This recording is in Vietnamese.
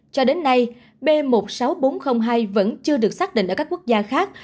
cho đến nay b một mươi sáu nghìn bốn trăm linh hai vẫn chưa được xác định ở các quốc gia khác